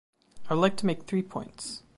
I would like to make three points.